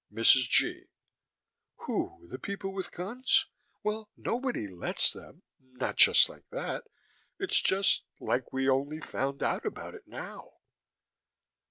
MRS. G.: Who, the people with guns? Well, nobody lets them, not just like that. It's just like we only found out about it now.